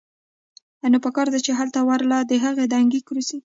نو پکار ده چې هلته ورله د هغې دنګې کرسۍ